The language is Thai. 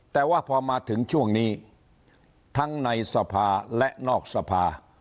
แต่ว่าพอมาถึงช่วงนี้ทั้งในสภาและนอกสภา